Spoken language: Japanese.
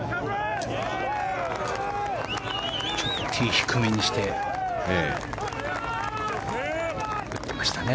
ちょっとティーを低めにしてきましたね。